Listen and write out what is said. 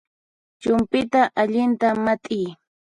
Chumpyta allinta mat'iy